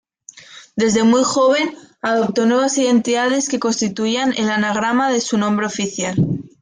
Desde muy joven adoptó nuevas identidades, que constituían el anagrama de su nombre oficial.